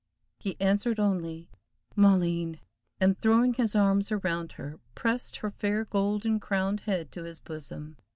He answered only, "Maleen!" and, throwing his arms around her, pressed her fair golden crowned head to his bosom.